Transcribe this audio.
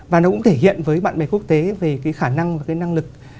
và nó cũng thể hiện với bạn bè quốc tế về cái khả năng và cái năng lực